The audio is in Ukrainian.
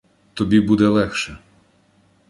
Тобі буде легше.